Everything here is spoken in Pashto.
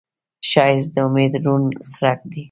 ښایست د امید روڼ څرک دی